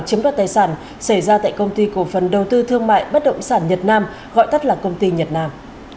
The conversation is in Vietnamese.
chiếm đoạt tài sản xảy ra tại công ty cổ phần đầu tư thương mại bất động sản nhật nam gọi tắt là công ty nhật nam